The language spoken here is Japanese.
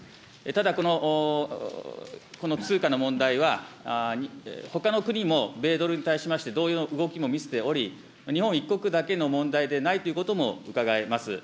ただ、この通貨の問題は、ほかの国も米ドルに対しまして同様の動きも見せており、日本一国だけの問題でないということもうかがえます。